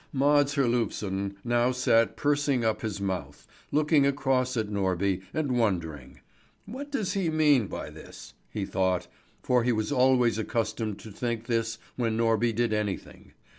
Mads Herlufsen now sat pursing up his mouth, looking across at Norby and wondering. "What does he mean by this?" he thought; for he was always accustomed to think this when Norby did anything.